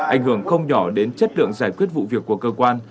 ảnh hưởng không nhỏ đến chất lượng giải quyết vụ việc của cơ quan